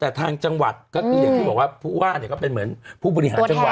แต่ทางจังหวัดก็คืออย่างที่บอกว่าผู้ว่าเนี่ยก็เป็นเหมือนผู้บริหารจังหวัด